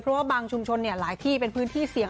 เพราะว่าบางชุมชนหลายที่เป็นพื้นที่เสี่ยง